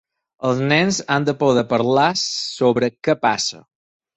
Els nens han de poder parlar sobre què passa.